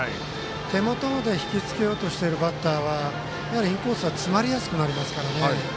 手元で引きつけようとしているバッターはやはり、インコースは詰まりやすくなりますからね。